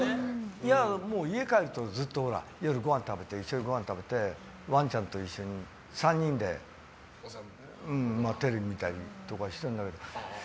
家帰ると夜一緒にごはん食べてワンちゃんと一緒に３人でテレビ見たりとかしてるんだけど。